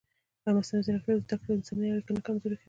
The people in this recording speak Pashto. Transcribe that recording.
ایا مصنوعي ځیرکتیا د زده کړې انساني اړیکه نه کمزورې کوي؟